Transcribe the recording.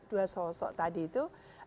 dua sosok tadi itu